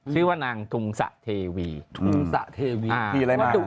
ชื่อว่านางทุ่งสะเทวี